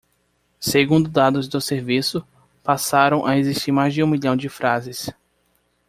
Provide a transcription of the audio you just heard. Segundo dados do serviço, passaram a existir mais de um milhão de frases.